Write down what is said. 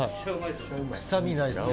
くさみないですね。